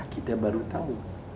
kita baru tahu